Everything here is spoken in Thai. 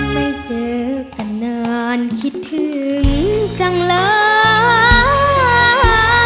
ไม่เจอกันนานคิดถึงจังเลย